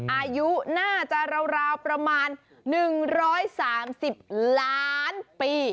อายุน่าจะราวประมาณ๑๓๐ล้านปี